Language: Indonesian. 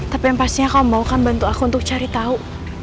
tapi yang pastinya kamu mau akan bantu aku untuk cari tahu